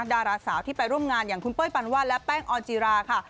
ดาราสาวที่ไปร่วมงานอย่างคุณเป้ยปานวาดและแป้งออนจีราค่ะ